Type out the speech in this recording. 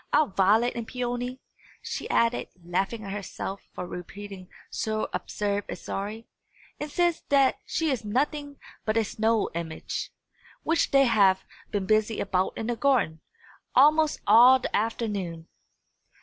Our Violet and Peony," she added, laughing at herself for repeating so absurd a story, "insist that she is nothing but a snow image, which they have been busy about in the garden, almost all the afternoon."